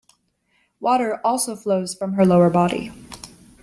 Water also flows from her lower body.